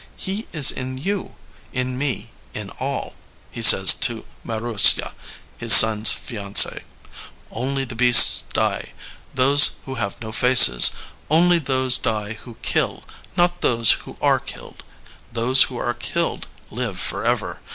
*'He is in you, in me, in all,'' he says to Marussya, his son's fiancee. Only the beasts die, those who have no faces. Only those die who kill, not those who are killed. Those who are killed live forever.